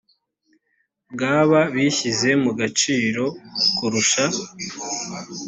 bwaba bushyize mu gaciro kurusha